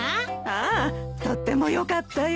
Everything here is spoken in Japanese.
ああとってもよかったよ。